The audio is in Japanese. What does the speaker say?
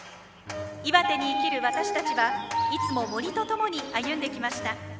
岩手に生きる私たちはいつも森と共に歩んできました。